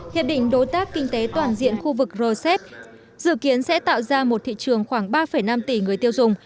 hiệp định đối tác kinh tế toàn diện khu vực rcep dự kiến sẽ tạo ra một thị trường khoảng ba năm tỷ người tiêu dùng